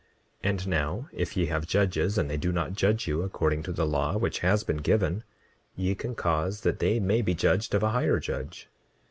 29:28 And now if ye have judges, and they do not judge you according to the law which has been given, ye can cause that they may be judged of a higher judge.